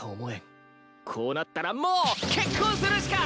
こうなったらもう結婚するしか！